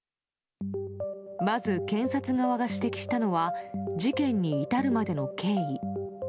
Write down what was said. まず検察側が指摘したのは事件に至るまでの経緯。